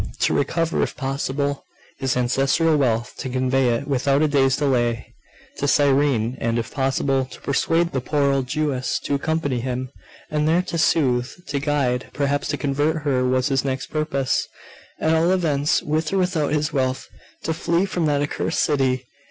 To recover, if possible, his ancestral wealth; to convey it, without a day's delay, to Cyrene; and, if possible, to persuade the poor old Jewess to accompany him, and there to soothe, to guide, perhaps to convert her, was his next purpose: at all events, with or without his wealth, to flee from that accursed city.